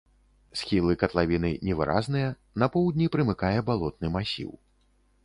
Схілы катлавіны невыразныя, на поўдні прымыкае балотны масіў.